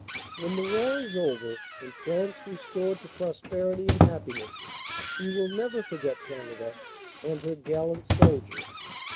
When the war is over and France restored to prosperity and happiness, she will never forget Canada and her gallant soldiers.